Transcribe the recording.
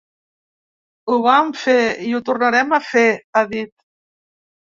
Ho vam fer i ho tornarem a fer, ha dit.